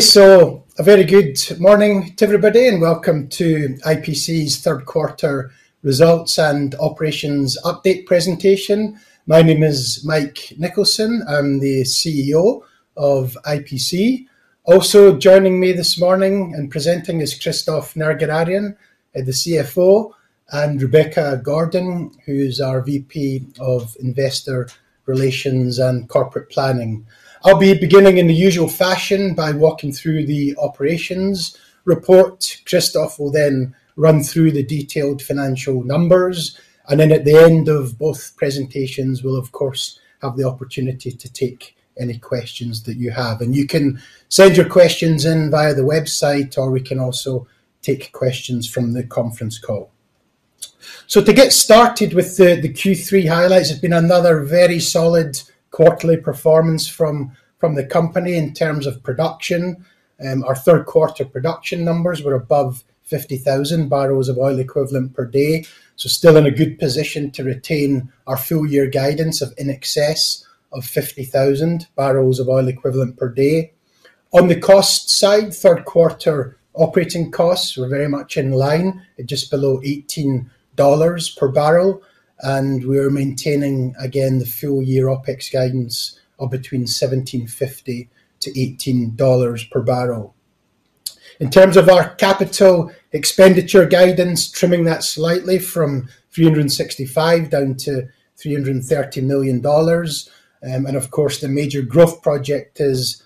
So a very good morning to everybody, and welcome to IPC's third quarter results and operations update presentation. My name is Mike Nicholson. I'm the CEO of IPC. Also, joining me this morning and presenting is Christophe Nerguararian, the CFO, and Rebecca Gordon, who's our VP of Investor Relations and Corporate Planning. I'll be beginning in the usual fashion by walking through the operations report. Christophe will then run through the detailed financial numbers, and then at the end of both presentations, we'll, of course, have the opportunity to take any questions that you have. And you can send your questions in via the website, or we can also take questions from the conference call. So to get started with the Q3 highlights, it's been another very solid quarterly performance from the company in terms of production. Our third quarter production numbers were above 50,000 barrels of oil equivalent per day. So still in a good position to retain our full year guidance of in excess of 50,000 barrels of oil equivalent per day. On the cost side, third quarter operating costs were very much in line at just below $18 per barrel, and we're maintaining again, the full year OpEx guidance of between $17.50-$18 per barrel. In terms of our capital expenditure guidance, trimming that slightly from $365 million down to $330 million. And of course, the major growth project is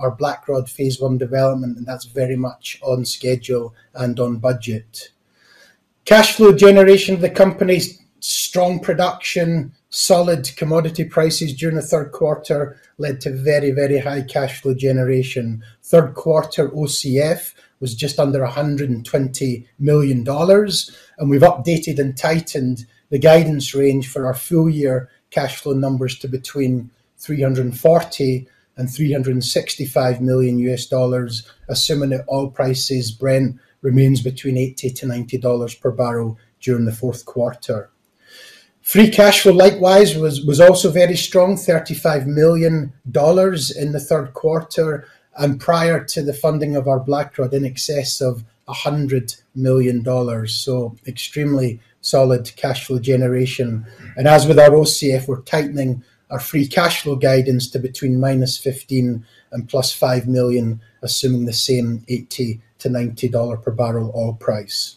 our Blackrod Phase 1 development, and that's very much on schedule and on budget. Cash flow generation, the company's strong production, solid commodity prices during the third quarter led to very, very high cash flow generation. Third quarter OCF was just under $120 million, and we've updated and tightened the guidance range for our full year cash flow numbers to between $340 million and $365 million, assuming that oil prices, Brent, remains between $80-$90 per barrel during the fourth quarter. Free cash flow, likewise, was also very strong, $35 million in the third quarter, and prior to the funding of our Blackrod, in excess of $100 million, so extremely solid cash flow generation. As with our OCF, we're tightening our free cash flow guidance to between -15 million and +5 million, assuming the same $80-$90 per barrel oil price.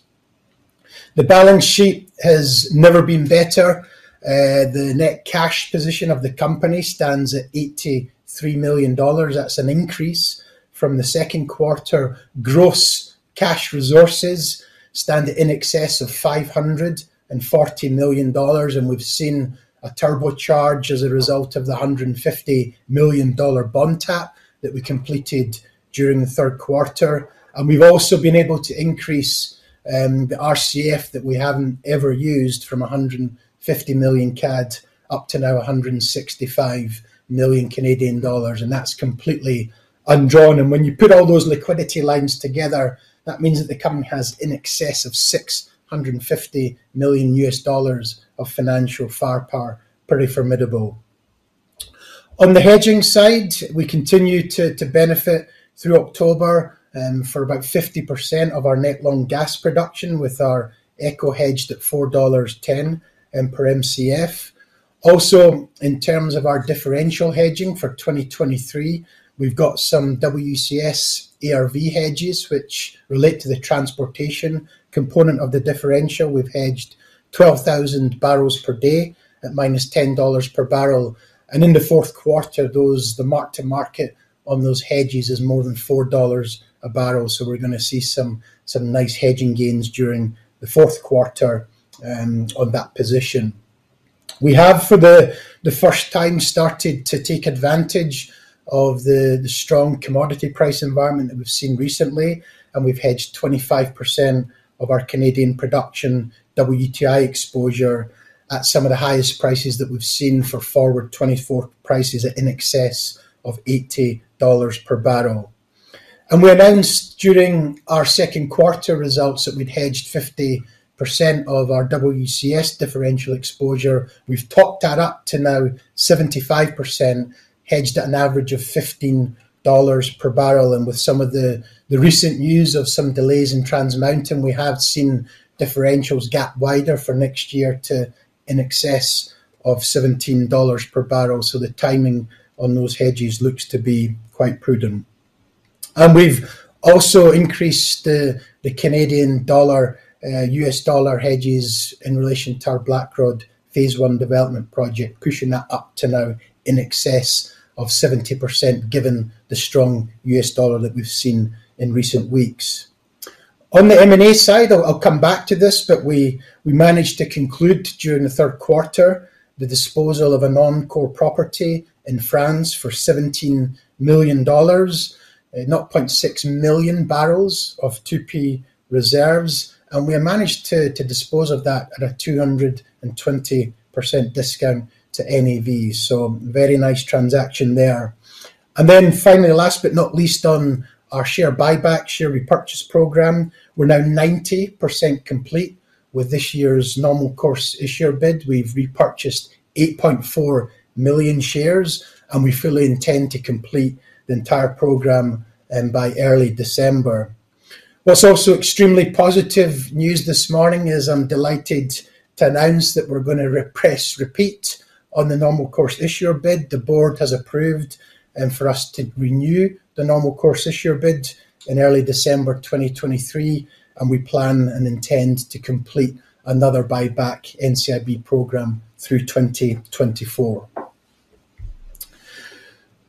The balance sheet has never been better. The net cash position of the company stands at $83 million. That's an increase from the second quarter. Gross cash resources stand in excess of $540 million, and we've seen a turbocharge as a result of the $150 million bond tap that we completed during the third quarter. We've also been able to increase the RCF that we haven't ever used from 150 million CAD up to now 165 million Canadian dollars, and that's completely undrawn. When you put all those liquidity lines together, that means that the company has in excess of $650 million of financial firepower. Pretty formidable. On the hedging side, we continue to benefit through October for about 50% of our net long gas production with our AECO hedged at $4.10 per Mcf. Also, in terms of our differential hedging for 2023, we've got some WCS H&H hedges, which relate to the transportation component of the differential. We've hedged 12,000 barrels per day at -$10 per barrel, and in the fourth quarter, those, the mark to market on those hedges is more than $4 a barrel. So we're gonna see some nice hedging gains during the fourth quarter, on that position. We have, for the first time, started to take advantage of the strong commodity price environment that we've seen recently, and we've hedged 25% of our Canadian production, WTI exposure, at some of the highest prices that we've seen for forward 2024 prices at in excess of $80 per barrel. And we announced during our second quarter results that we'd hedged 50% of our WCS differential exposure. We've topped that up to now 75%, hedged at an average of $15 per barrel. With some of the recent news of some delays in Trans Mountain, we have seen differentials gap wider for next year to in excess of $17 per barrel. The timing on those hedges looks to be quite prudent. We've also increased the Canadian dollar US dollar hedges in relation to our Blackrod Phase 1 development project, pushing that up to now in excess of 70%, given the strong US dollar that we've seen in recent weeks. On the M&A side, I'll come back to this, but we managed to conclude during the third quarter the disposal of a non-core property in France for $17 million, 0.6 million barrels of 2P reserves, and we managed to dispose of that at a 220% discount to NAV. So very nice transaction there. And then finally, last but not least, on our share buyback, share repurchase program, we're now 90% complete with this year's normal course issuer bid. We've repurchased 8.4 million shares, and we fully intend to complete the entire program by early December. What's also extremely positive news this morning is I'm delighted to announce that we're going to repeat the normal course issuer bid. The board has approved for us to renew the normal course issuer bid in early December 2023, and we plan and intend to complete another buyback NCIB program through 2024.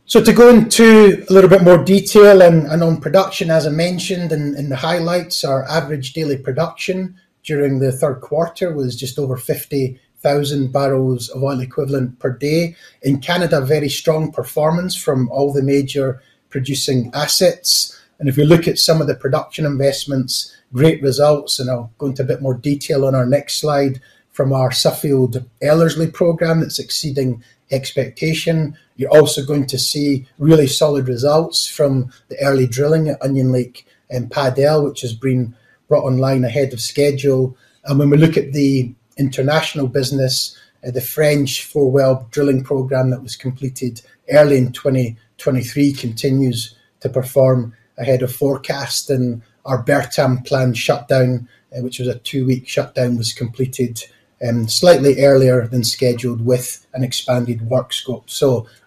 So to go into a little bit more detail and on production, as I mentioned in the highlights, our average daily production during the third quarter was just over 50,000 barrels of oil equivalent per day. In Canada, very strong performance from all the major producing assets, and if you look at some of the production investments, great results, and I'll go into a bit more detail on our next slide from our Suffield Ellerslie program that's exceeding expectation. You're also going to see really solid results from the early drilling at Onion Lake and Pad L, which has been brought online ahead of schedule. When we look at the international business, the French four-well drilling program that was completed early in 2023 continues to perform ahead of forecast, and our Bertam planned shutdown, which was a two-week shutdown, was completed slightly earlier than scheduled with an expanded work scope.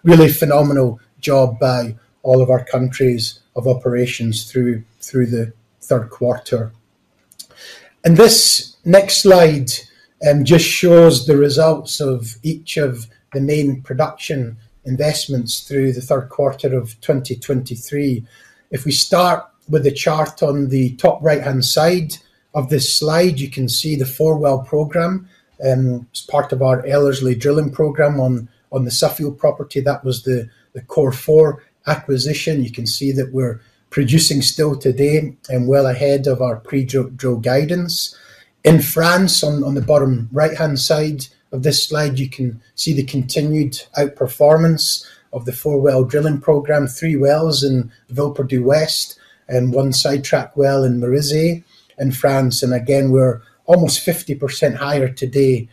Really phenomenal job by all of our countries of operations through the third quarter. This next slide just shows the results of each of the main production investments through the third quarter of 2023. If we start with the chart on the top right-hand side of this slide, you can see the four-well program as part of our Ellerslie drilling program on the Suffield property. That was the Cor4 acquisition. You can see that we're producing still today and well ahead of our pre-drill guidance. In France, on the bottom right-hand side of this slide, you can see the continued outperformance of the four-well drilling program, three wells in Villeperdue West and one sidetrack well in Méry, in France. And again, we're almost 50% higher today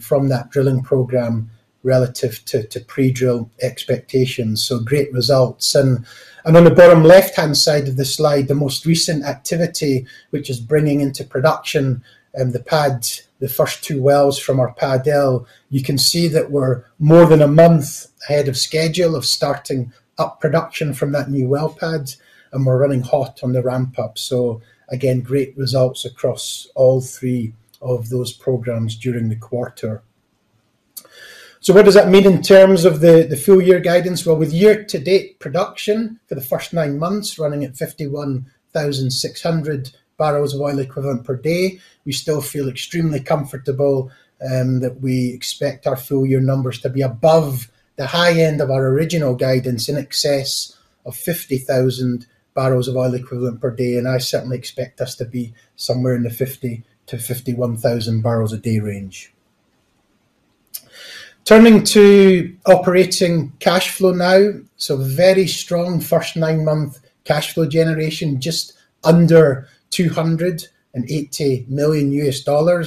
from that drilling program relative to pre-drill expectations, so great results. And on the bottom left-hand side of the slide, the most recent activity, which is bringing into production the pad, the first two wells from our Pad L, you can see that we're more than a month ahead of schedule of starting up production from that new well pad, and we're running hot on the ramp-up. So again, great results across all three of those programs during the quarter. So what does that mean in terms of the full year guidance? Well, with year-to-date production for the first nine months running at 51,600 barrels of oil equivalent per day, we still feel extremely comfortable that we expect our full year numbers to be above the high end of our original guidance in excess of 50,000 barrels of oil equivalent per day, and I certainly expect us to be somewhere in the 50,000-51,000 barrels a day range. Turning to operating cash flow now. So very strong first nine-month cash flow generation, just under $280 million,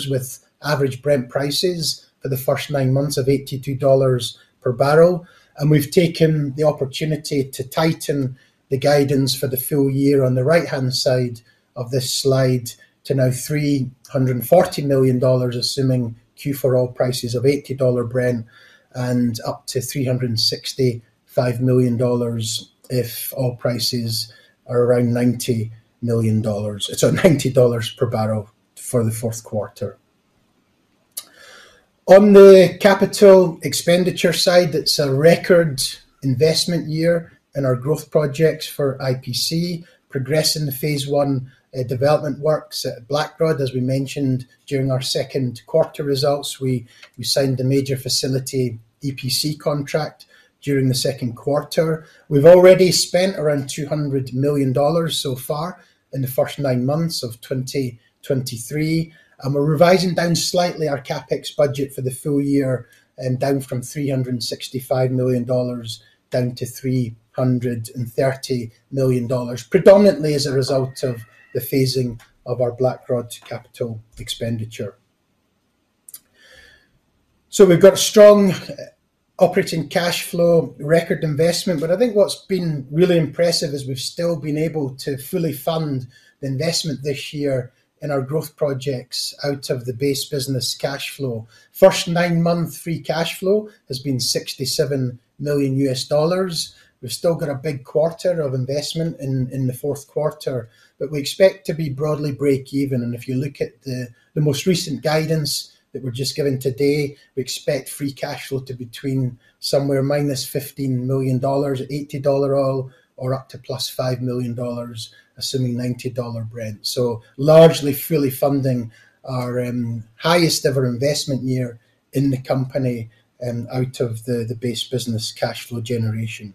with average Brent prices for the first nine months of $82 per barrel. And we've taken the opportunity to tighten the guidance for the full year on the right-hand side of this slide to now $340 million, assuming Q4 oil prices of $80 Brent and up to $365 million if oil prices are around $90 million. So $90 per barrel for the fourth quarter. On the capital expenditure side, it's a record investment year in our growth projects for IPC, progressing the Phase 1 development works at Blackrod. As we mentioned during our second quarter results, we signed a major facility EPC contract during the second quarter. We've already spent around $200 million so far in the first nine months of 2023, and we're revising down slightly our CapEx budget for the full year, down from $365 million down to $330 million, predominantly as a result of the phasing of our Blackrod capital expenditure. So we've got strong operating cash flow, record investment, but I think what's been really impressive is we've still been able to fully fund the investment this year in our growth projects out of the base business cash flow. First nine-month free cash flow has been $67 million. We've still got a big quarter of investment in the fourth quarter, but we expect to be broadly break even. If you look at the most recent guidance that we're just giving today, we expect free cash flow to between somewhere -$15 million, $80 oil, or up to +$5 million, assuming $90 Brent. Largely fully funding our highest ever investment year in the company out of the base business cash flow generation.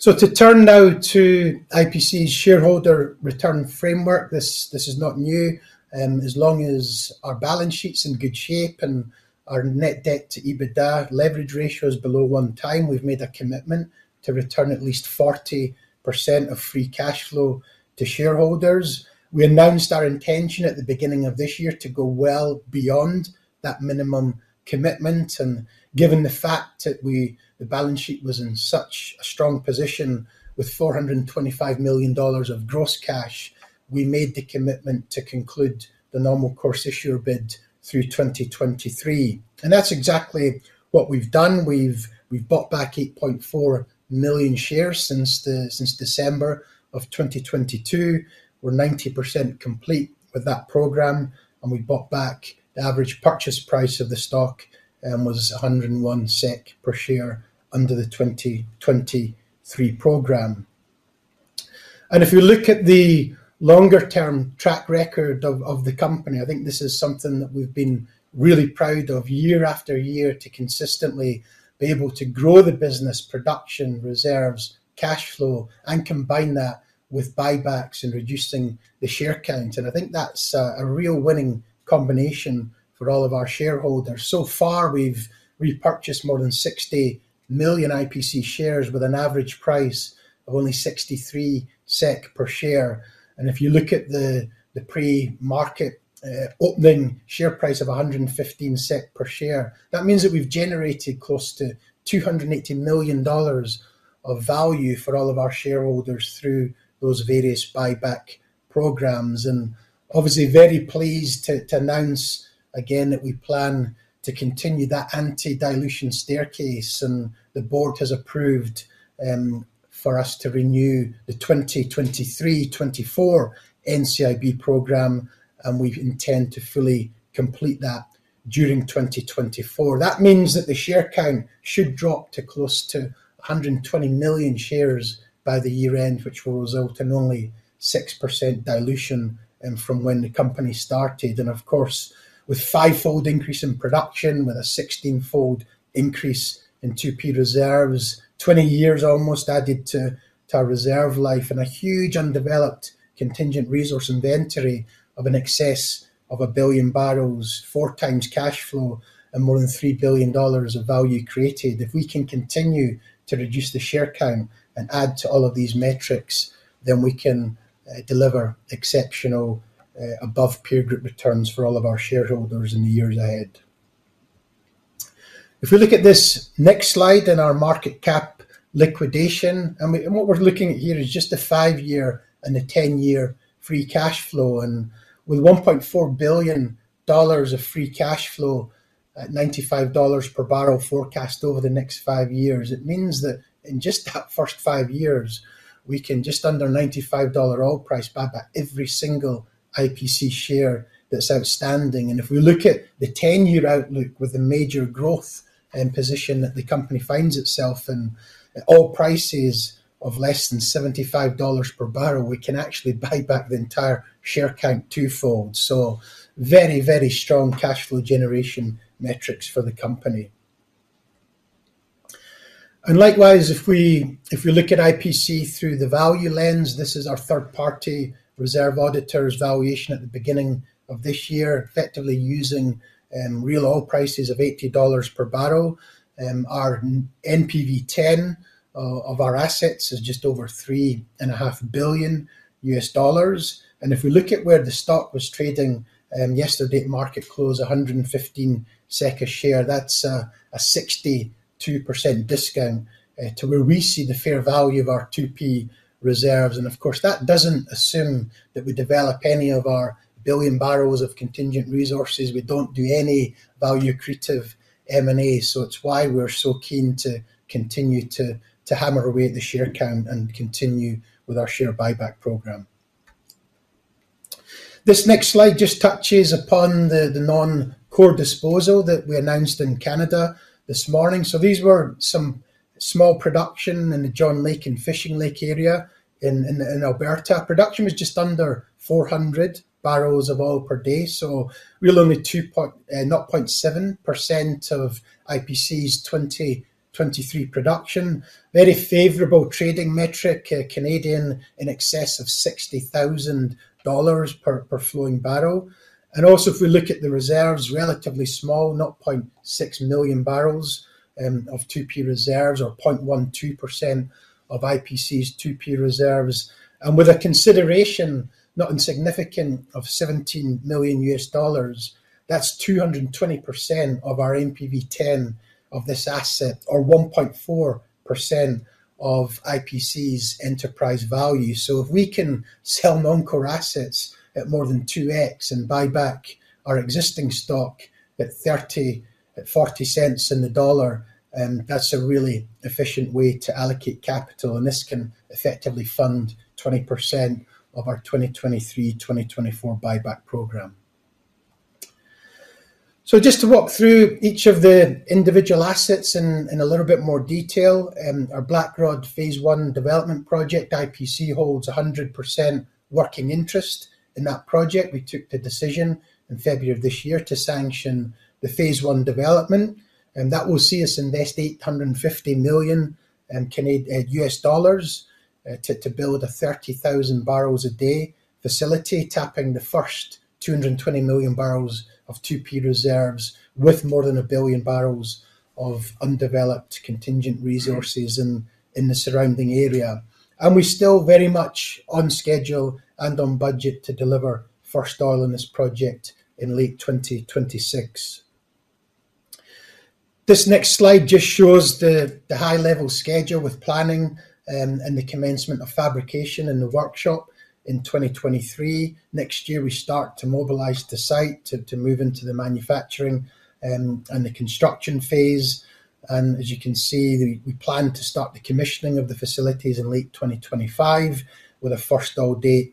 To turn now to IPC's shareholder return framework, this is not new. As long as our balance sheet's in good shape and our net debt to EBITDA leverage ratio is below 1x, we've made a commitment to return at least 40% of free cash flow to shareholders. We announced our intention at the beginning of this year to go well beyond that minimum commitment, and given the fact that we, the balance sheet was in such a strong position with $425 million of gross cash, we made the commitment to conclude the normal course issuer bid through 2023. And that's exactly what we've done. We've bought back 8.4 million shares since December of 2022. We're 90% complete with that program, and we bought back the average purchase price of the stock was 101 SEK per share under the 2023 program. If you look at the longer-term track record of the company, I think this is something that we've been really proud of year after year, to consistently be able to grow the business, production, reserves, cash flow, and combine that with buybacks and reducing the share count. And I think that's a real winning combination for all of our shareholders. So far, we've repurchased more than 60 million IPC shares with an average price of only 63 SEK per share. And if you look at the pre-market opening share price of 115 per share, that means that we've generated close to $280 million of value for all of our shareholders through those various buyback programs. Obviously, very pleased to announce again that we plan to continue that anti-dilution staircase, and the board has approved for us to renew the 2023-2024 NCIB program, and we intend to fully complete that during 2024. That means that the share count should drop to close to 120 million shares by the year-end, which will result in only 6% dilution from when the company started. Of course, with fivefold increase in production, with a 16-fold increase in 2P reserves, 20 years almost added to our reserve life and a huge undeveloped contingent resource inventory of in excess of 1 billion barrels, 4x cash flow, and more than $3 billion of value created. If we can continue to reduce the share count and add to all of these metrics, then we can deliver exceptional above-peer group returns for all of our shareholders in the years ahead. If we look at this next slide in our market cap liquidation, and what we're looking at here is just a five-year and a 10-year free cash flow. And with $1.4 billion of free cash flow at $95 per barrel forecast over the next five years, it means that in just that first five years, we can just under $95 oil price buyback every single IPC share that's outstanding. If we look at the 10-year outlook with a major growth and position that the company finds itself in, at oil prices of less than $75 per barrel, we can actually buy back the entire share count twofold. So very, very strong cash flow generation metrics for the company. Likewise, if we look at IPC through the value lens, this is our third-party reserve auditor's valuation at the beginning of this year, effectively using real oil prices of $80 per barrel. Our NPV10 of our assets is just over $3.5 billion. If we look at where the stock was trading yesterday at market close, 115 SEK a share, that's a 62% discount to where we see the fair value of our 2P reserves. Of course, that doesn't assume that we develop any of our billion barrels of contingent resources. We don't do any value-accretive M&A. So it's why we're so keen to continue to hammer away at the share count and continue with our share buyback program. This next slide just touches upon the non-core disposal that we announced in Canada this morning. So these were some small production in the John Lake and Fishing Lake area in Alberta. Production was just under 400 barrels of oil per day, so really only 2.07% of IPC's 2023 production. Very favorable trading metric, Canadian in excess of 60,000 dollars per flowing barrel. Also, if we look at the reserves, relatively small, 0.6 million barrels of 2P reserves or 0.12% of IPC's 2P reserves. With a consideration, not insignificant, of $17 million, that's 220% of our NPV10 of this asset or 1.4% of IPC's enterprise value. If we can sell non-core assets at more than 2x and buy back our existing stock at 30, at 40 cents in the dollar, that's a really efficient way to allocate capital, and this can effectively fund 20% of our 2023, 2024 buyback program. Just to walk through each of the individual assets in a little bit more detail. Our Blackrod Phase 1 development project, IPC holds a 100% working interest in that project. We took the decision in February of this year to sanction the Phase 1 development, and that will see us invest $850 million to build a 30,000 barrels a day facility, tapping the first 220 million barrels of 2P reserves, with more than 1 billion barrels of undeveloped contingent resources in the surrounding area. We're still very much on schedule and on budget to deliver first oil in this project in late 2026. This next slide just shows the high-level schedule with planning and the commencement of fabrication in the workshop in 2023. Next year, we start to mobilize the site to move into the manufacturing and the construction phase. As you can see, we plan to start the commissioning of the facilities in late 2025, with a first oil date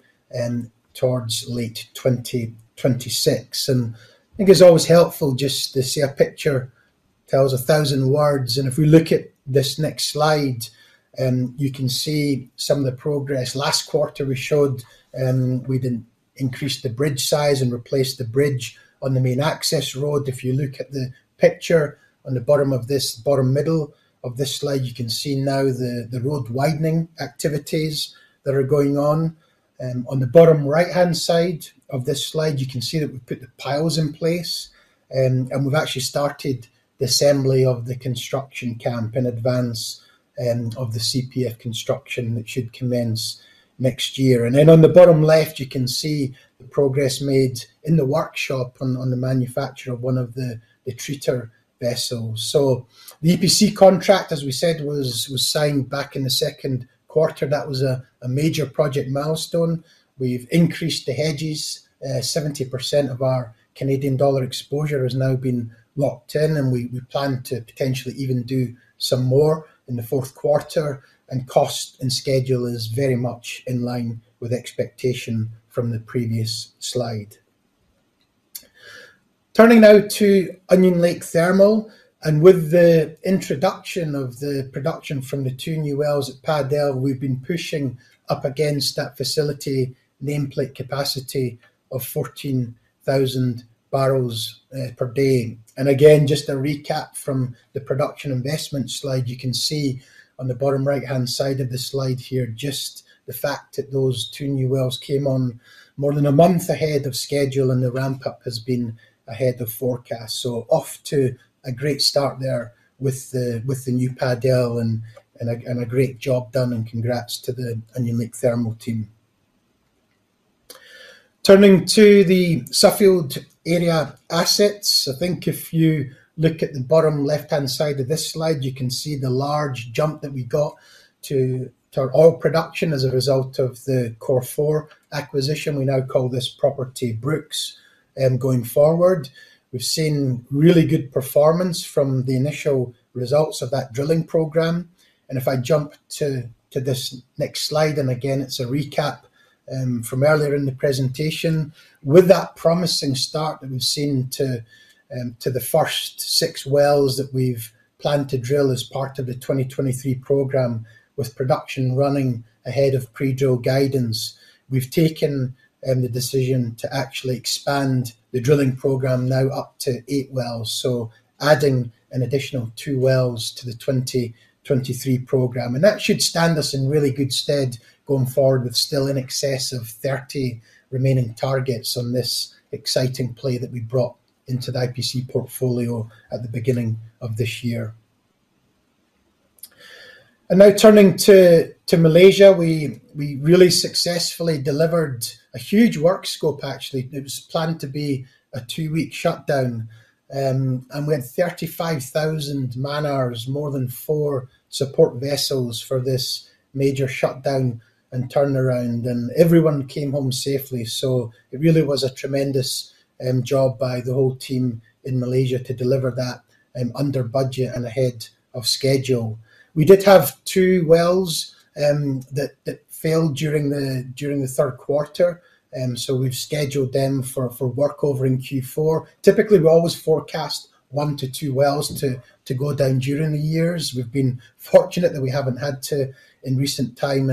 towards late 2026. And I think it's always helpful just to see a picture tells a thousand words, and if we look at this next slide, you can see some of the progress. Last quarter, we showed we did increase the bridge size and replaced the bridge on the main access road. If you look at the picture on the bottom of this, bottom middle of this slide, you can see now the road widening activities that are going on. On the bottom right-hand side of this slide, you can see that we've put the piles in place, and we've actually started the assembly of the construction camp in advance of the CPF construction, which should commence next year. Then on the bottom left, you can see the progress made in the workshop on the manufacture of one of the treater vessels. The EPC contract, as we said, was signed back in the second quarter. That was a major project milestone. We've increased the hedges. 70% of our Canadian dollar exposure has now been locked in, and we plan to potentially even do some more in the fourth quarter. Cost and schedule is very much in line with expectation from the previous slide. Turning now to Onion Lake Thermal, and with the introduction of the production from the two new wells at Pad L, we've been pushing up against that facility nameplate capacity of 14,000 barrels per day. Again, just a recap from the production investment slide, you can see on the bottom right-hand side of the slide here, just the fact that those two new wells came on more than a month ahead of schedule, and the ramp-up has been ahead of forecast. So off to a great start there with the new Pad L, and a great job done, and congrats to the Onion Lake Thermal team. Turning to the Suffield area assets. I think if you look at the bottom left-hand side of this slide, you can see the large jump that we got to our oil production as a result of the Cor4 acquisition. We now call this Property Brooks going forward. We've seen really good performance from the initial results of that drilling program. If I jump to this next slide, and again, it's a recap from earlier in the presentation. With that promising start that we've seen to the first six wells that we've planned to drill as part of the 2023 program, with production running ahead of pre-drill guidance, we've taken the decision to actually expand the drilling program now up to eight wells. Adding an additional two wells to the 2023 program, and that should stand us in really good stead going forward with still in excess of 30 remaining targets on this exciting play that we brought into the IPC portfolio at the beginning of this year. Now turning to Malaysia. We really successfully delivered a huge work scope, actually. It was planned to be a two-week shutdown, and we had 35,000 man hours, more than four support vessels for this major shutdown and turnaround, and everyone came home safely. So it really was a tremendous job by the whole team in Malaysia to deliver that, under budget and ahead of schedule. We did have two wells that failed during the third quarter, so we've scheduled them for workover in Q4. Typically, we always forecast one to two wells to go down during the years. We've been fortunate that we haven't had to in recent time,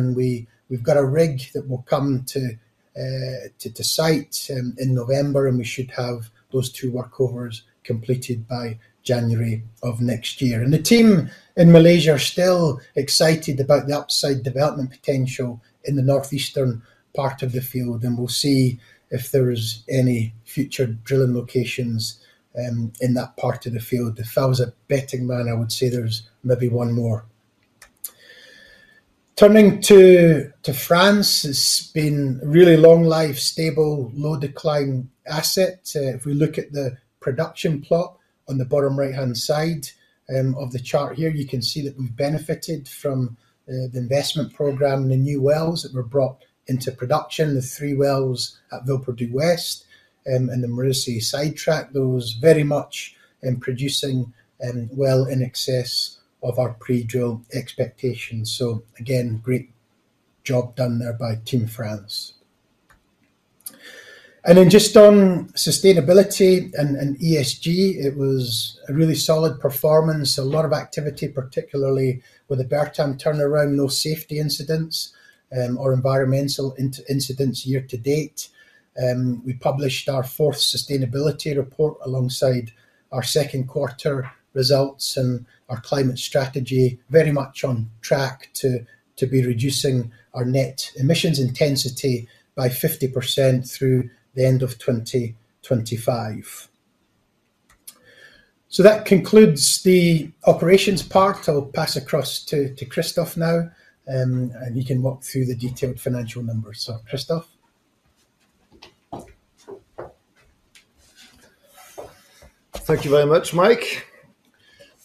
and we've got a rig that will come to site in November, and we should have those two workovers completed by January of next year. The team in Malaysia are still excited about the upside development potential in the northeastern part of the field, and we'll see if there is any future drilling locations in that part of the field. If I was a betting man, I would say there's maybe one more. Turning to France, it's been a really long life, stable, low-declining asset. If we look at the production plot on the bottom right-hand side of the chart here, you can see that we've benefited from the investment program and the new wells that were brought into production. The three wells at Villeperdue West and the Merisier sidetrack, those very much producing well in excess of our pre-drill expectations. So again, great job done there by Team France. And then just on sustainability and ESG, it was a really solid performance, a lot of activity, particularly with the Bertam turnaround, no safety incidents or environmental incidents year to date. We published our fourth sustainability report alongside our second quarter results, and our climate strategy very much on track to be reducing our net emissions intensity by 50% through the end of 2025. So that concludes the operations part. I'll pass across to Christophe now, and he can walk through the detailed financial numbers. So, Christophe? Thank you very much, Mike.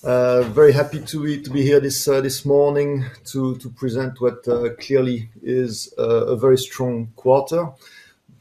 Very happy to be, to be here this, this morning to, to present what, clearly is a, a very strong quarter.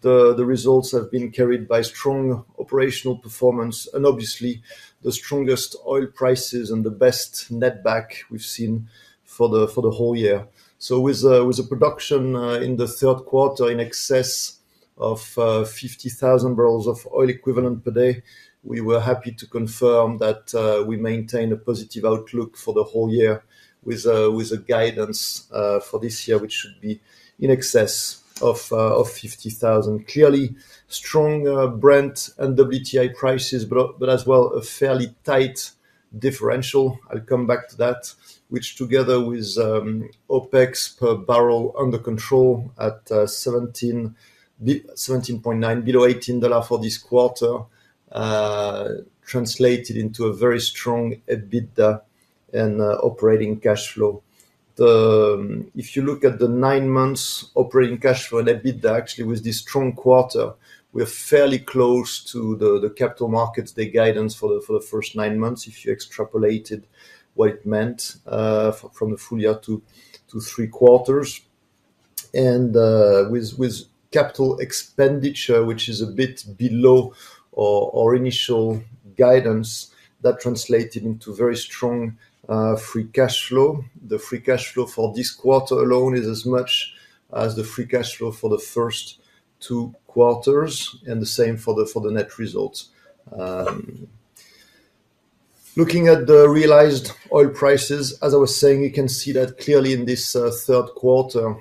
The, the results have been carried by strong operational performance and obviously the strongest oil prices and the best netback we've seen for the, for the whole year. So with a, with a production, in the third quarter in excess of, 50,000 barrels of oil equivalent per day, we were happy to confirm that, we maintain a positive outlook for the whole year with a, with a guidance, for this year, which should be in excess of, of 50,000. Clearly, strong Brent and WTI prices, but as well, a fairly tight differential, I'll come back to that, which together with OpEx per barrel under control at $17.9, below $18 for this quarter, translated into a very strong EBITDA and operating cash flow. If you look at the nine months operating cash flow and EBITDA, actually, with this strong quarter, we're fairly close to the capital markets guidance for the first nine months, if you extrapolated what it meant from the full year to three quarters. With capital expenditure, which is a bit below our initial guidance, that translated into very strong free cash flow. The free cash flow for this quarter alone is as much as the free cash flow for the first two quarters, and the same for the net results. Looking at the realized oil prices, as I was saying, you can see that clearly in this third quarter.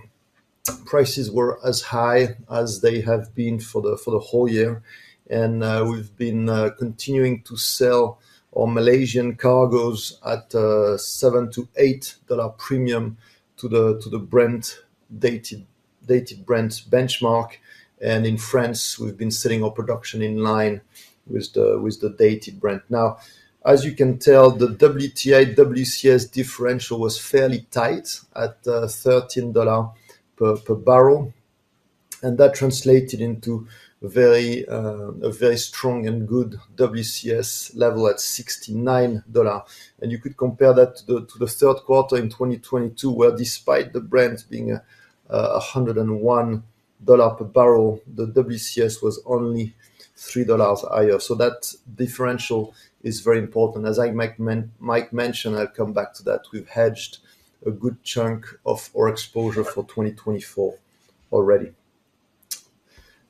Prices were as high as they have been for the whole year. We've been continuing to sell our Malaysian cargoes at a $7-$8 premium to the dated Brent benchmark. In France, we've been selling our production in line with the dated Brent. Now, as you can tell, the WTI-WCS differential was fairly tight at $13 per barrel, and that translated into a very strong and good WCS level at $69. You could compare that to the third quarter in 2022, where despite the Brent being $101 per barrel, the WCS was only $3 higher. That differential is very important. As Mike mentioned, I'll come back to that, we've hedged a good chunk of our exposure for 2024 already.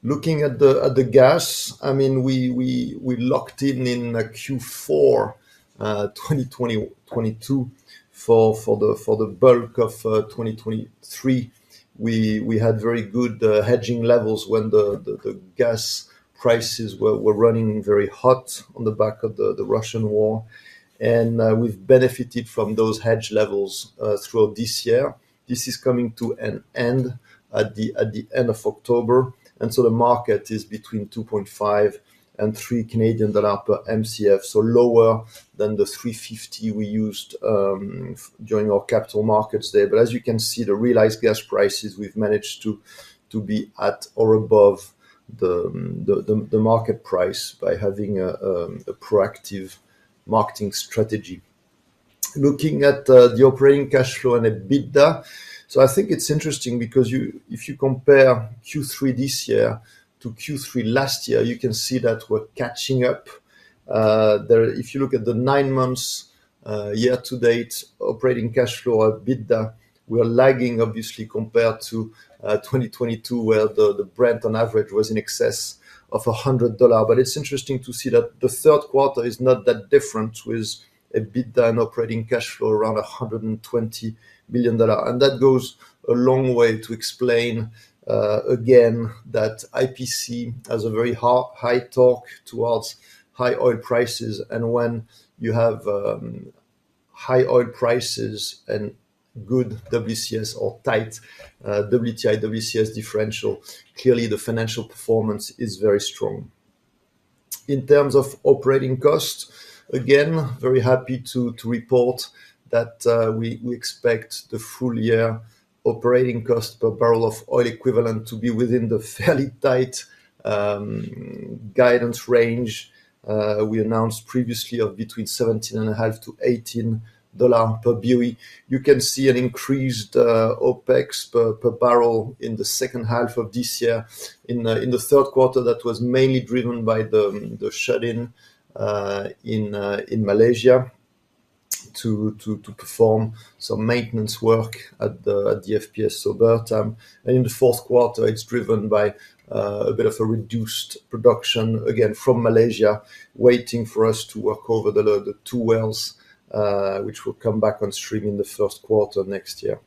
Looking at the gas, I mean, we locked in in Q4 2022 for the bulk of 2023. We had very good hedging levels when the gas prices were running very hot on the back of the Russian War, and we've benefited from those hedge levels throughout this year. This is coming to an end at the end of October, and so the market is between 2.5-3 Canadian dollar per Mcf, so lower than the 3.50 we used during our Capital Markets Day. But as you can see, the realized gas prices, we've managed to be at or above the market price by having a proactive marketing strategy. Looking at the operating cash flow and EBITDA. So I think it's interesting because if you compare Q3 this year to Q3 last year, you can see that we're catching up. If you look at the nine months year to date, operating cash flow, EBITDA, we are lagging, obviously, compared to 2022, where the Brent on average was in excess of $100. But it's interesting to see that the third quarter is not that different, with EBITDA and operating cash flow around $120 million. And that goes a long way to explain again that IPC has a very high torque towards high oil prices. And when you have high oil prices and good WCS or tight WTI-WCS differential, clearly the financial performance is very strong. In terms of operating costs, again, very happy to report that we expect the full year operating cost per barrel of oil equivalent to be within the fairly tight guidance range we announced previously of between $17.5-$18 per BOE. You can see an increased OpEx per barrel in the second half of this year. In the third quarter, that was mainly driven by the shut-in in Malaysia to perform some maintenance work at the FPSO Bertam. In the fourth quarter, it's driven by a bit of a reduced production, again from Malaysia, waiting for us to work over the two wells, which will come back on stream in the first quarter next year.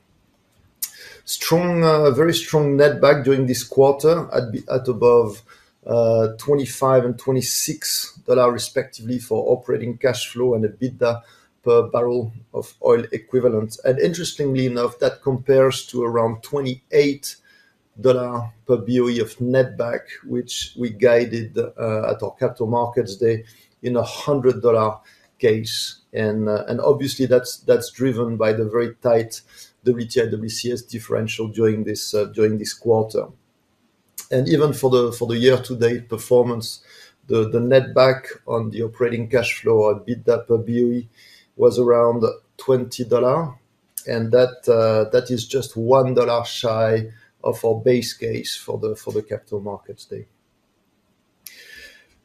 Strong, very strong netback during this quarter at above $25 and $26 respectively for operating cash flow and EBITDA per barrel of oil equivalent. Interestingly enough, that compares to around $28 per BOE of netback, which we guided at our Capital Markets Day in a $100 case. Obviously, that's driven by the very tight WTI, WCS differential during this quarter. Even for the year-to-date performance, the netback on the operating cash flow at EBITDA per BOE was around $20, and that is just $1 shy of our base case for the Capital Markets Day.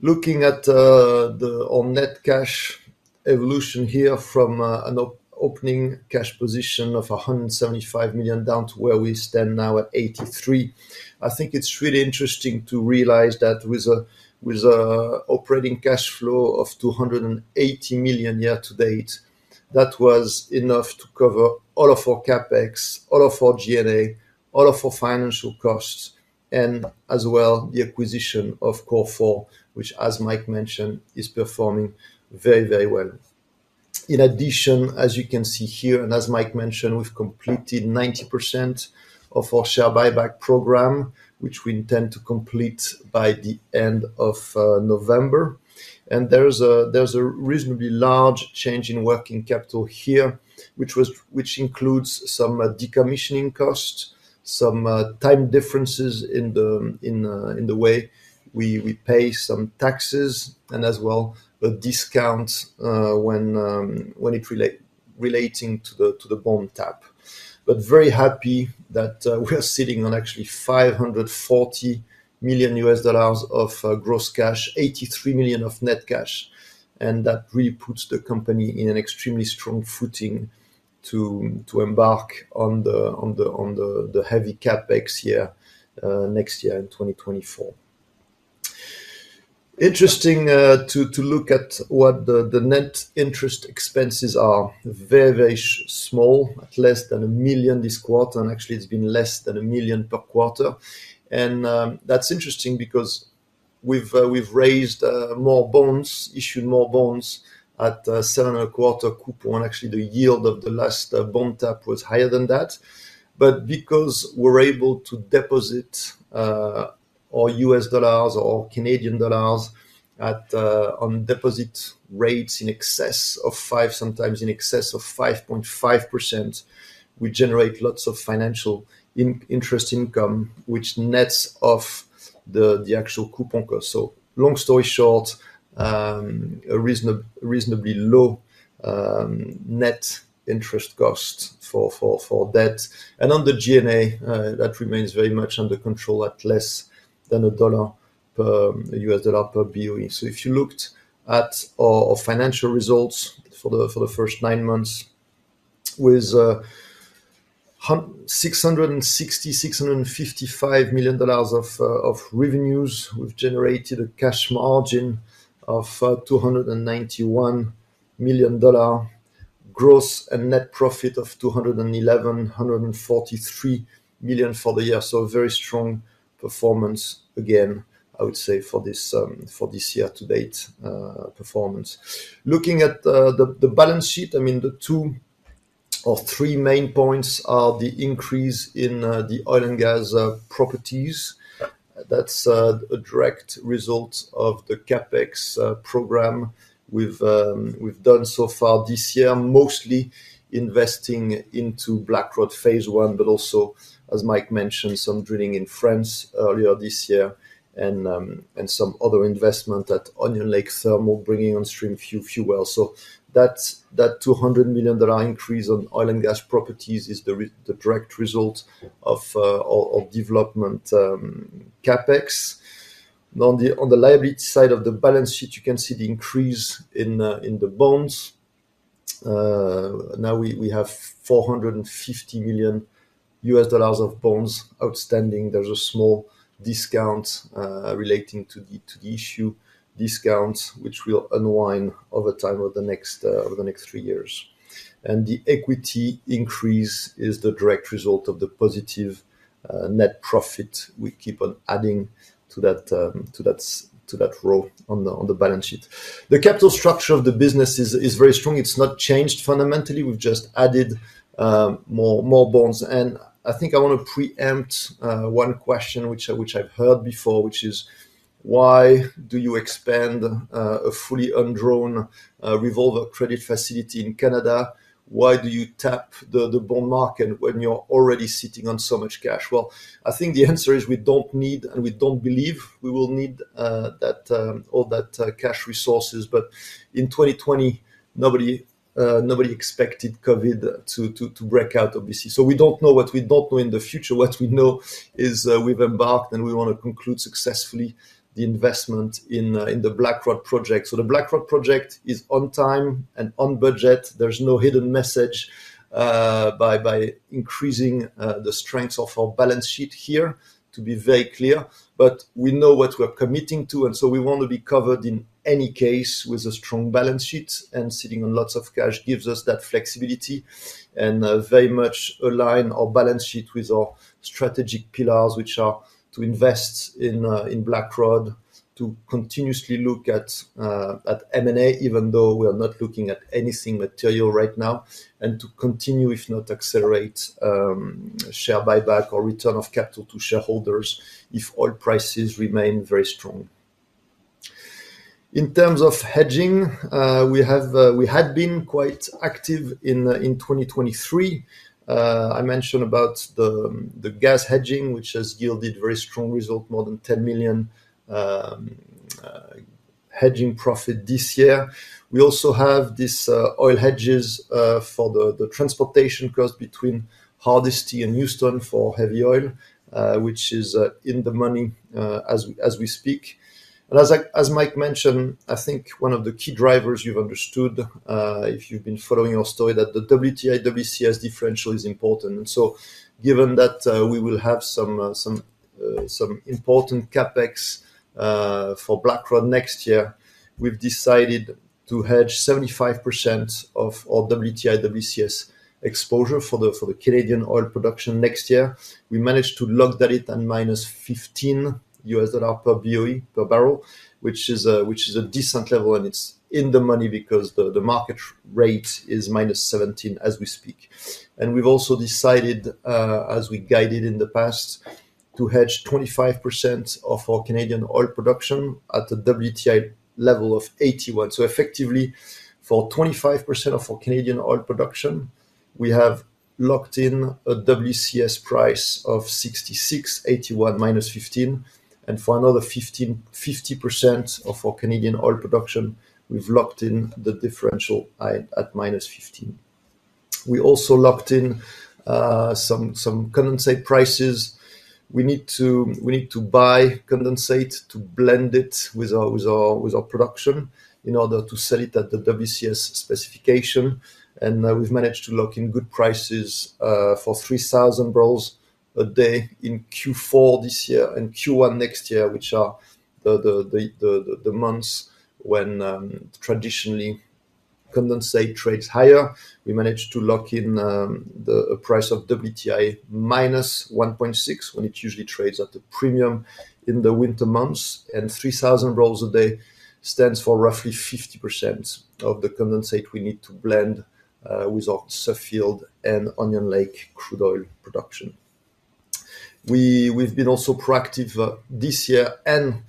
Looking at our net cash evolution here from an opening cash position of $175 million, down to where we stand now at $83 million, I think it's really interesting to realize that with a operating cash flow of $280 million year to date, that was enough to cover all of our CapEx, all of our G&A, all of our financial costs, and as well, the acquisition of Cor4, which, as Mike mentioned, is performing very, very well. In addition, as you can see here, and as Mike mentioned, we've completed 90% of our share buyback program, which we intend to complete by the end of November. And there's a reasonably large change in working capital here, which was, which includes some decommissioning costs, some time differences in the way we pay some taxes, and as well, a discount when it relating to the bond tap. But very happy that we are sitting on actually $540 million of gross cash, $83 million of net cash, and that really puts the company in an extremely strong footing to embark on the heavy CapEx year next year in 2024. Interesting to look at what the net interest expenses are. Very small, at less than $1 million this quarter, and actually, it's been less than $1 million per quarter. That's interesting because we've raised more bonds, issued more bonds at 7.25% coupon. Actually, the yield of the last bond tap was higher than that. But because we're able to deposit our U.S. dollars or Canadian dollars at on deposit rates in excess of five, sometimes in excess of 5.5%, we generate lots of financial interest income, which nets off the actual coupon cost. So long story short, a reasonably low net interest cost for debt. And on the G&A, that remains very much under control at less than $1 per. U.S. dollar per BOE. So if you looked at our financial results for the first nine months, with $665 million of revenues, we've generated a cash margin of $291 million, gross and net profit of $211 million and $143 million for the year. So a very strong performance, again, I would say, for this year-to-date performance. Looking at the balance sheet, I mean, the two or three main points are the increase in the oil and gas properties. That's a direct result of the CapEx program we've done so far this year, mostly investing into Blackrod Phase 1, but also, as Mike mentioned, some drilling in France earlier this year and some other investment at Onion Lake Thermal, bringing on stream a few wells. So that $200 million increase on oil and gas properties is the direct result of development CapEx. On the liability side of the balance sheet, you can see the increase in the bonds. Now we have $450 million of bonds outstanding. There's a small discount relating to the issue discounts which will unwind over time over the next three years. The equity increase is the direct result of the positive net profit we keep on adding to that row on the balance sheet. The capital structure of the business is very strong. It's not changed fundamentally. We've just added more bonds. I think I wanna preempt one question, which I've heard before, which is, why do you expand a fully undrawn revolver credit facility in Canada? Why do you tap the bond market when you're already sitting on so much cash? Well, I think the answer is we don't need, and we don't believe we will need that all that cash resources. But in 2020, nobody expected COVID to break out, obviously. So we don't know what we don't know in the future. What we know is, we've embarked and we want to conclude successfully the investment in, in the Blackrod Project. So the Blackrod Project is on time and on budget. There's no hidden message, by increasing the strength of our balance sheet here, to be very clear. But we know what we're committing to, and so we want to be covered in any case with a strong balance sheet, and sitting on lots of cash gives us that flexibility. Very much align our balance sheet with our strategic pillars, which are to invest in Blackrod, to continuously look at M&A, even though we are not looking at anything material right now, and to continue, if not accelerate, share buyback or return of capital to shareholders if oil prices remain very strong. In terms of hedging, we had been quite active in 2023. I mentioned about the gas hedging, which has yielded very strong result, more than $10 million hedging profit this year. We also have this oil hedges for the transportation cost between Hardisty and Houston for heavy oil, which is in the money as we speak. As Mike mentioned, I think one of the key drivers you've understood, if you've been following our story, that the WTI-WCS differential is important. So given that, we will have some important CapEx for Blackrod next year, we've decided to hedge 75% of our WTI-WCS exposure for the Canadian oil production next year. We managed to lock that in at -$15 per BOE per barrel, which is a decent level, and it's in the money because the market rate is -$17 as we speak. We've also decided, as we guided in the past, to hedge 25% of our Canadian oil production at a WTI level of $81. So effectively, for 25% of our Canadian oil production, we have locked in a WCS price of $66.81 minus $15, and for another 15-50% of our Canadian oil production, we've locked in the differential at minus $15. We also locked in some condensate prices. We need to buy condensate to blend it with our production in order to sell it at the WCS specification. And we've managed to lock in good prices for 3,000 barrels a day in Q4 this year and Q1 next year, which are the months when traditionally condensate trades higher. We managed to lock in a price of WTI - $1.6, when it usually trades at a premium in the winter months, and 3,000 barrels a day stands for roughly 50% of the condensate we need to blend with our Suffield and Onion Lake crude oil production. We've been also proactive this year and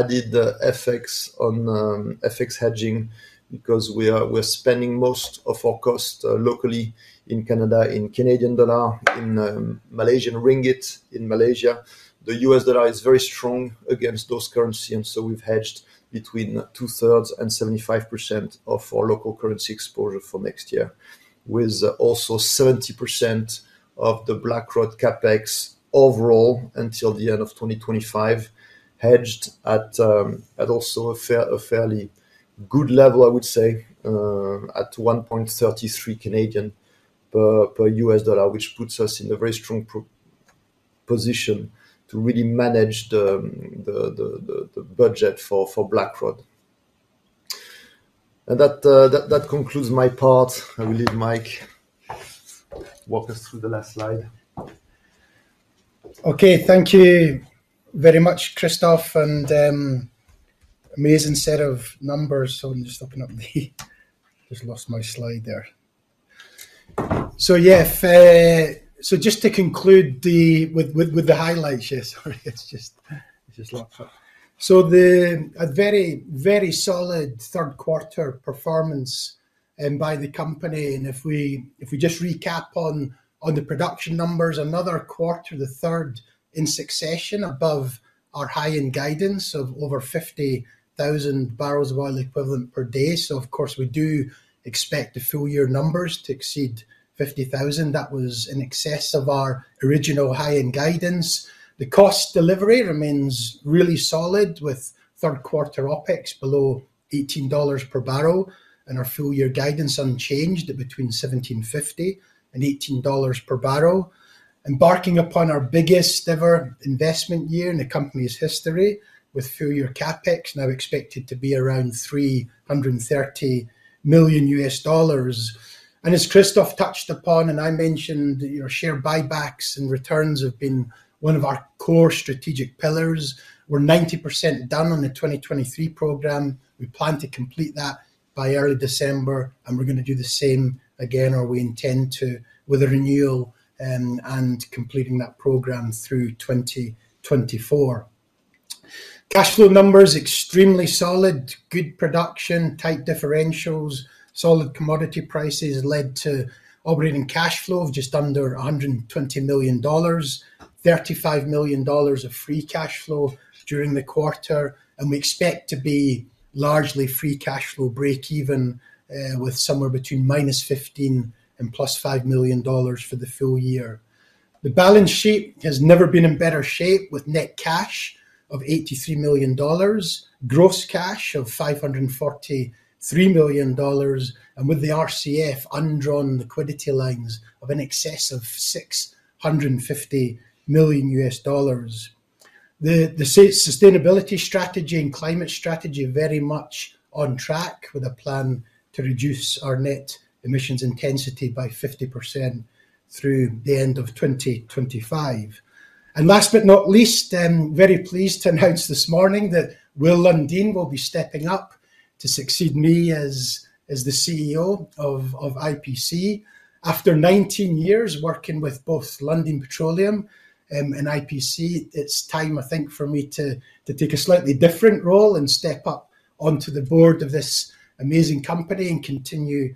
added the FX on FX hedging because we're spending most of our cost locally in Canada, in Canadian dollar, in Malaysian ringgit, in Malaysia. The U.S. dollar is very strong against those currency, and so we've hedged between 2/3 and 75% of our local currency exposure for next year, with also 70% of the Blackrod CapEx overall, until the end of 2025, hedged at a fairly good level, I would say, at 1.33 Canadian per U.S. dollar, which puts us in a very strong position to really manage the budget for Blackrod. And that concludes my part. I will leave Mike walk us through the last slide. Okay. Thank you very much, Christophe, and amazing set of numbers. So let me just open up the, just lost my slide there. So yeah, so just to conclude with the highlights here. Sorry, it's just lost. So, a very, very solid third quarter performance by the company, and if we just recap on the production numbers, another quarter, the third in succession above our high-end guidance of over 50,000 barrels of oil equivalent per day. So of course, we do expect the full year numbers to exceed 50,000. That was in excess of our original high-end guidance. The cost delivery remains really solid, with third quarter OpEx below $18 per barrel, and our full-year guidance unchanged at between $17.50 and $18 per barrel. Embarking upon our biggest-ever investment year in the company's history, with full year CapEx now expected to be around $330 million. As Christophe touched upon, and I mentioned, your share buybacks and returns have been one of our core strategic pillars. We're 90% done on the 2023 program. We plan to complete that by early December, and we're gonna do the same again, or we intend to, with a renewal and completing that program through 2024. Cash flow numbers extremely solid, good production, tight differentials, solid commodity prices led to operating cash flow of just under $120 million, $35 million of free cash flow during the quarter, and we expect to be largely free cash flow breakeven, with somewhere between -$15 million and +$5 million for the full year. The balance sheet has never been in better shape, with net cash of $83 million, gross cash of $543 million, and with the RCF undrawn liquidity lines of an excess of $650 million. The sustainability strategy and climate strategy very much on track, with a plan to reduce our net emissions intensity by 50% through the end of 2025. And last but not least, I'm very pleased to announce this morning that Will Lundin will be stepping up to succeed me as the CEO of IPC. After 19 years working with both Lundin Petroleum and IPC, it's time, I think, for me to take a slightly different role and step up onto the board of this amazing company and continue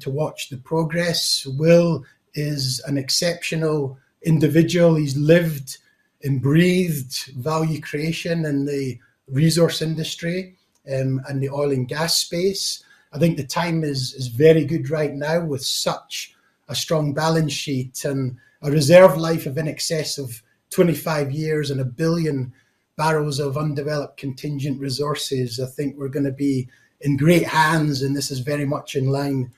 to watch the progress. Will is an exceptional individual. He's lived and breathed value creation in the resource industry, and the oil and gas space. I think the timing is very good right now with such a strong balance sheet and a reserve life of in excess of 25 years and a billion barrels of undeveloped contingent resources. I think we're gonna be in great hands, and this is very much in line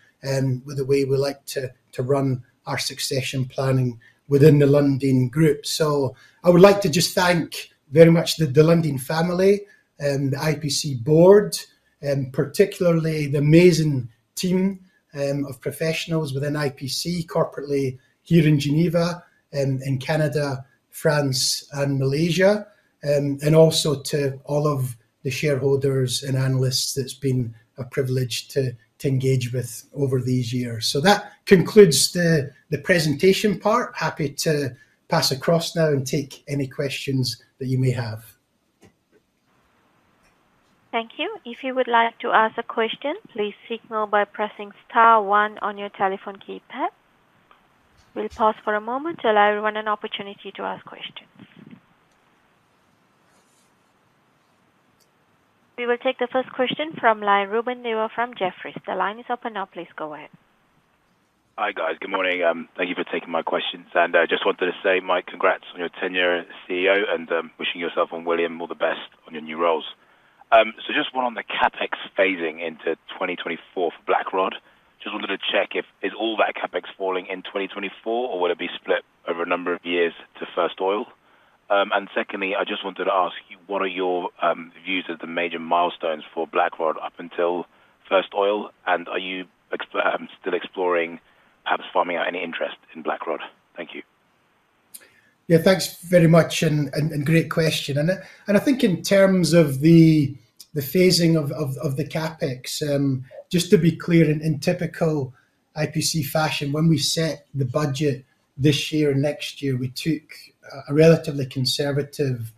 with the way we like to run our succession planning within the Lundin Group. So I would like to just thank very much the Lundin Family, the IPC Board, particularly the amazing team of professionals within IPC, corporately here in Geneva, in Canada, France, and Malaysia, and also to all of the shareholders and analysts that's been a privilege to engage with over these years. So that concludes the presentation part. Happy to pass across now and take any questions that you may have. Thank you. If you would like to ask a question, please signal by pressing star one on your telephone keypad. We'll pause for a moment to allow everyone an opportunity to ask questions. We will take the first question from line. Ruben Devos from Jefferies. The line is open now. Please go ahead. Hi, guys. Good morning. Thank you for taking my questions. And I just wanted to say, Mike, congrats on your tenure as CEO and, wishing yourself and William all the best on your new roles. So just one on the CapEx phasing into 2024 for Blackrod. Just wanted to check if, is all that CapEx falling in 2024, or will it be split over a number of years to first oil? And secondly, I just wanted to ask you, what are your views of the major milestones for Blackrod up until first oil, and are you still exploring, perhaps farming out any interest in Blackrod? Thank you. Yeah, thanks very much, and great question. And I think in terms of the phasing of the CapEx, just to be clear, in typical IPC fashion, when we set the budget this year and next year, we took a relatively conservative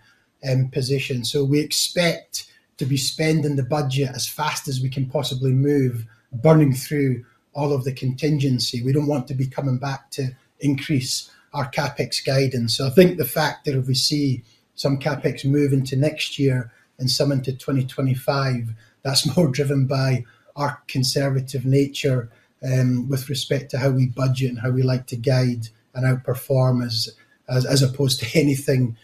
position. So we expect to be spending the budget as fast as we can possibly move, burning through all of the contingency. We don't want to be coming back to increase our CapEx guidance. So I think the fact that if we see some CapEx move into next year and some into 2025, that's more driven by our conservative nature, with respect to how we budget and how we like to guide and outperform as opposed to anything,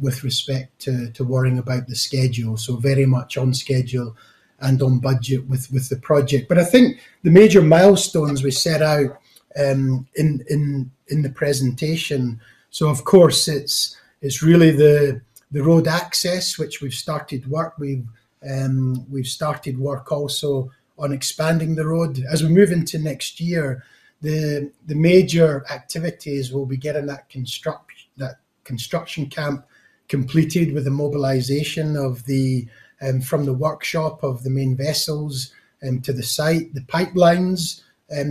with respect to worrying about the schedule. So very much on schedule and on budget with the project. But I think the major milestones we set out in the presentation, so of course, it's really the road access, which we've started work. We've started work also on expanding the road. As we move into next year, the major activities will be getting that construction camp completed with the mobilization of from the workshop of the main vessels to the site. The pipelines,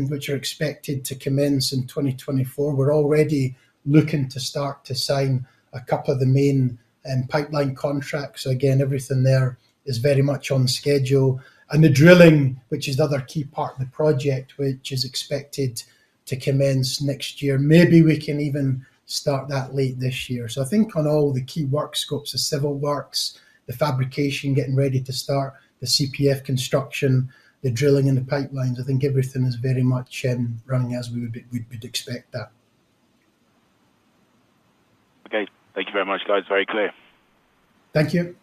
which are expected to commence in 2024, we're already looking to start to sign a couple of the main pipeline contracts. So again, everything there is very much on schedule. And the drilling, which is the other key part of the project, which is expected to commence next year. Maybe we can even start that late this year. So I think on all the key work scopes, the civil works, the fabrication, getting ready to start, the CPF construction, the drilling and the pipelines, I think everything is very much running as we would expect that. Okay. Thank you very much, guys. Very clear. Thank you.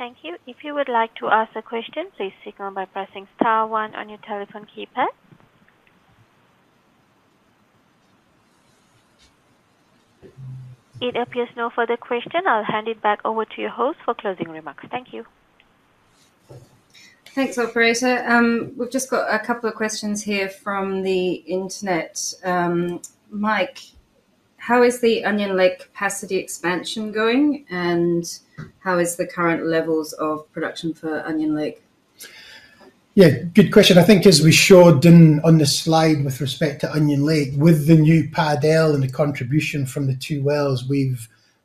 Thank you. If you would like to ask a question, please signal by pressing star one on your telephone keypad. It appears no further question. I'll hand it back over to your host for closing remarks. Thank you. Thanks, operator. We've just got a couple of questions here from the internet. Mike, how is the Onion Lake capacity expansion going, and how are the current levels of production for Onion Lake? Yeah, good question. I think as we showed in on the slide with respect to Onion Lake, with the new Pad L and the contribution from the two wells, we've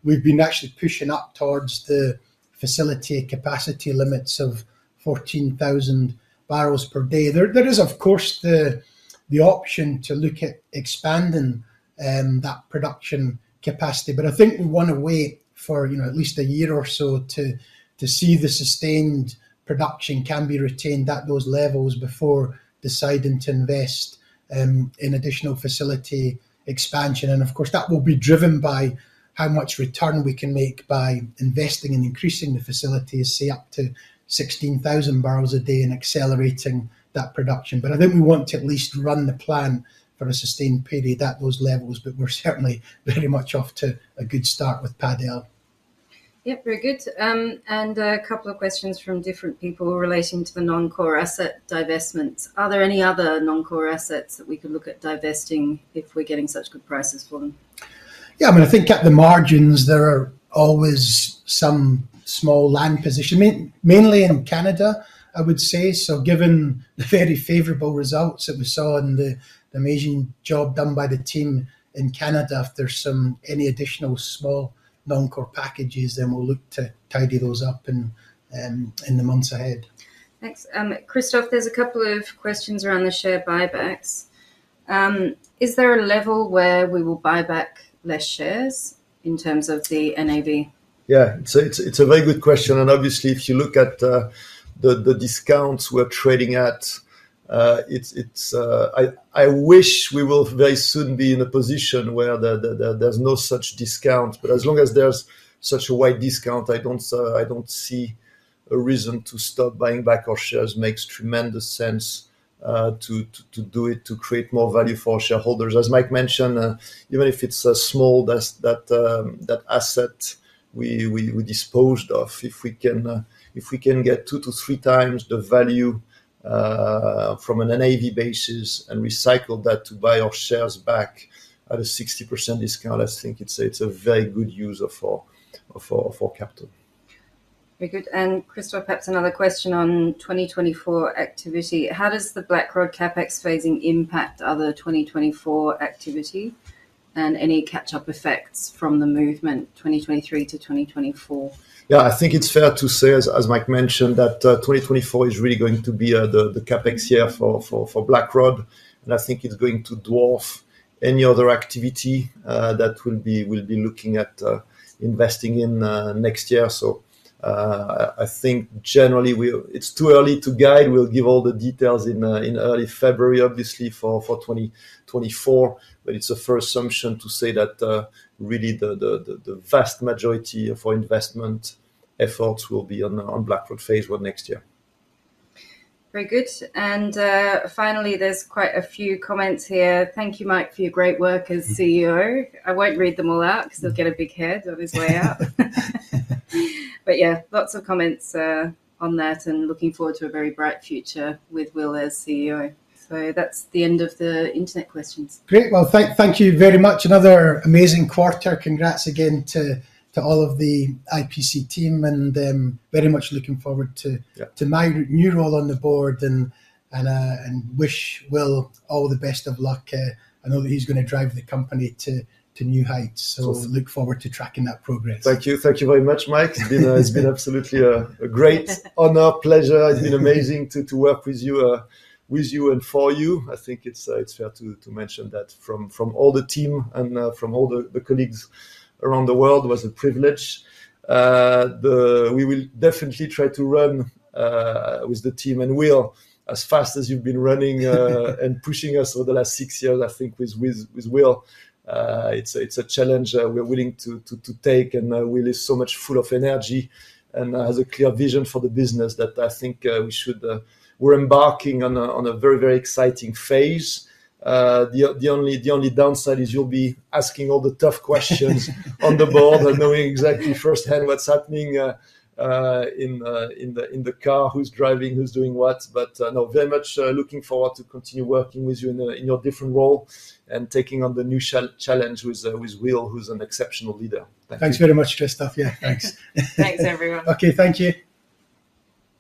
been actually pushing up towards the facility capacity limits of 14,000 barrels per day. There is, of course, the option to look at expanding that production capacity, but I think we wanna wait for, you know, at least a year or so to see the sustained production can be retained at those levels before deciding to invest in additional facility expansion. And of course, that will be driven by how much return we can make by investing and increasing the facilities, say, up to 16,000 barrels a day and accelerating that production. But I think we want to at least run the plan for a sustained period at those levels, but we're certainly very much off to a good start with Pad L. Yeah, very good. And a couple of questions from different people relating to the non-core asset divestments. Are there any other non-core assets that we could look at divesting if we're getting such good prices for them? Yeah, I mean, I think at the margins there are always some small land position. Mainly in Canada, I would say. So given the very favorable results that we saw and the amazing job done by the team in Canada, if there's any additional small non-core packages, then we'll look to tidy those up in the months ahead. Thanks. Christophe, there's a couple of questions around the share buybacks. Is there a level where we will buy back less shares in terms of the NAV? Yeah. So it's a very good question, and obviously if you look at the discounts we're trading at, it's, I wish we will very soon be in a position where there's no such discount, but as long as there's such a wide discount, I don't see a reason to stop buying back our shares. Makes tremendous sense to do it, to create more value for shareholders. As Mike mentioned, even if it's a small that asset we disposed of, if we can get two to three times the value from an NAV basis and recycle that to buy our shares back at a 60% discount, I think it's a very good use of capital. Very good. And Christophe, perhaps another question on 2024 activity: How does the Blackrod CapEx phasing impact other 2024 activity, and any catch-up effects from the movement 2023 to 2024? Yeah, I think it's fair to say, as Mike mentioned, that 2024 is really going to be the CapEx year for Blackrod, and I think it's going to dwarf any other activity that we'll be looking at investing in next year. So, I think generally we, it's too early to guide. We'll give all the details in early February, obviously for 2024, but it's a fair assumption to say that really the vast majority of our investment efforts will be on Blackrod Phase 1 next year. Very good. And, finally, there's quite a few comments here. "Thank you, Mike, for your great work as CEO." I won't read them all out because he'll get a big head on his way out. But yeah, lots of comments on that, and looking forward to a very bright future with Will as CEO. So that's the end of the internet questions. Great. Well, thank you very much. Another amazing quarter. Congrats again to all of the IPC team, and very much looking forward to— Yeah To my new role on the board and wish Will all the best of luck. I know that he's gonna drive the company to new heights. Of course. Look forward to tracking that progress. Thank you. Thank you very much, Mike. It's been absolutely a great honor, pleasure. It's been amazing to work with you, with you and for you. I think it's fair to mention that from all the team and from all the colleagues around the world, it was a privilege. We will definitely try to run with the team and Will, as fast as you've been running and pushing us over the last six years. I think with Will, it's a challenge we're willing to take. And Will is so much full of energy and has a clear vision for the business that I think we should. We're embarking on a very exciting phase. The only downside is you'll be asking all the tough questions on the board and knowing exactly firsthand what's happening in the car, who's driving, who's doing what. But no, very much looking forward to continue working with you in your different role and taking on the new challenge with Will, who's an exceptional leader. Thank you. Thanks very much, Christophe. Yeah, thanks. Thanks, everyone. Okay, thank you.